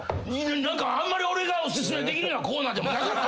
あんまり俺がお薦めできるコーナーでもなかった。